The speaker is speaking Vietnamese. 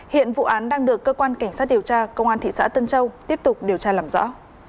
hiện vụ án đang được cơ quan cảnh sát điều tra công an thị xã tân châu tiếp tục điều tra làm rõ